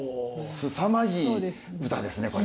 すさまじい唄ですねこれ。